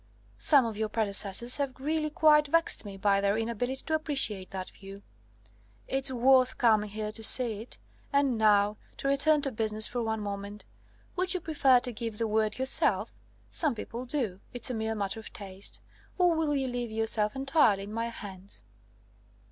Some of your predecessors have really quite vexed me by their inability to appreciate that view. It's worth coming here to see it. And now, to return to business for one moment, would you prefer to give the word yourself? Some people do; it's a mere matter of taste. Or will you leave yourself entirely in my hands?"